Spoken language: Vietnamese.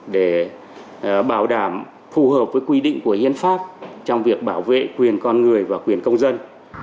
để bảo đảm phù hợp với quy định của hiến pháp trong việc bảo vệ quyền con người và quyền công dân